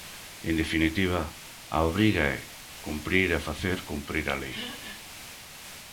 En definitiva, a obriga é cumprir e facer cumprir a lei.